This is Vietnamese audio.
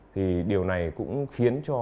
thì điều này cũng khiến cho